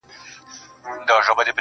o د کلي سپی یې، د کلي خان دی.